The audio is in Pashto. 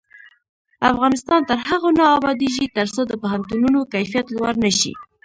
افغانستان تر هغو نه ابادیږي، ترڅو د پوهنتونونو کیفیت لوړ نشي.